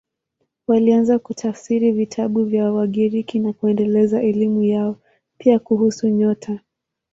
Walianza kutafsiri vitabu vya Wagiriki na kuendeleza elimu yao, pia kuhusu nyota.